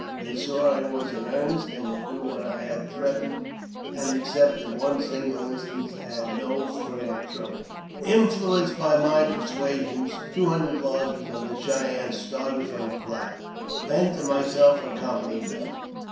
They saw I was in earnest, and would do what I had threatened, and, except in one single instance, I had no farther trouble. Influenced by my persuasions, two hundred lodges of the Cheyennes started for the Platte, Bent and myself accom panying them.